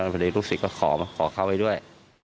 พอดีลูกศิษย์ก็ขอเข้าไปด้วย